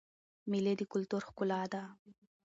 مېلې د کلتور ښکلا ده.